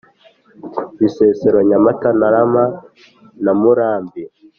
Bisesero Nyamata Ntarama na Murambi